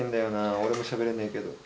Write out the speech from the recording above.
俺もしゃべれねえけど。